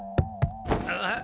あっ！